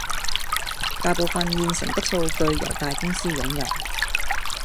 大部分現成的數據由大公司擁有